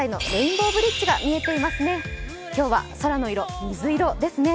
今日は、空の色、水色ですね。